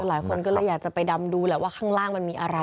หลายคนก็เลยอยากจะไปดำดูแหละว่าข้างล่างมันมีอะไร